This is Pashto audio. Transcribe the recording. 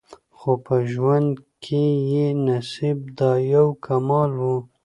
خو په ژوند کي یې نصیب دا یو کمال وو